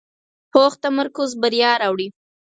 پوخ تمرکز بریا راوړي